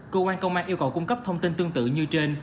cơ quan công an yêu cầu cung cấp thông tin tương tự như trên